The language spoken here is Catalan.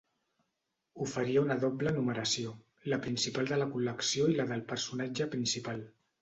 Oferia una doble numeració, la principal de la col·lecció i la del personatge principal.